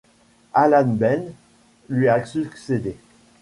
Allan Bell lui a succédé.